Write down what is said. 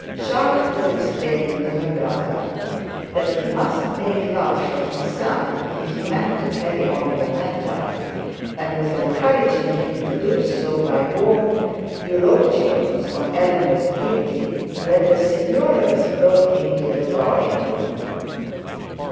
Charlotte was explaining to her brother that he must make love for himself if he meant to carry on the matter, and was encouraging him to so, by warm eulogiums on Eleanor's beauty, when the signora was brought into the drawing room.